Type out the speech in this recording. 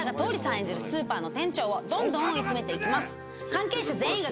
演じるスーパーの店長を追い詰めて行きます。